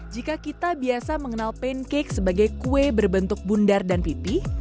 jika kita biasa mengenal pancake sebagai kue berbentuk bundar dan pipih